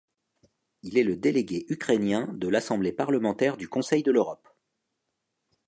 Il est le délégué ukrainien de l’Assemblée parlementaire du Conseil de l'Europe.